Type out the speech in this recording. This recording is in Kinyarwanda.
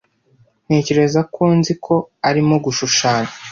ntekereza ko nzi ko arimo gushushanya